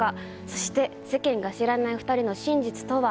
そして世間が知らない２人の真実とは。